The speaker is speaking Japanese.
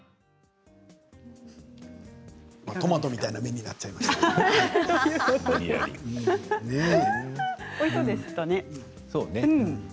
トマトみたいな目になっちゃいました。